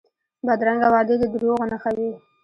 بدرنګه وعدې د دروغو نښه وي